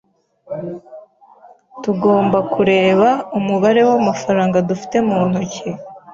Tugomba kureba umubare w'amafaranga dufite mu ntoki.